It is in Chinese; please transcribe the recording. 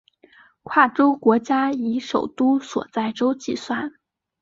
跨洲国家以首都所在洲计算。